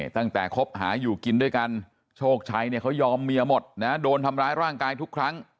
ตั้งแต่ครบหาอยู่กินด้วยกันโชคชัยเขายอมเมียหมดโดนทำร้ายร่างกายทุกครั้ง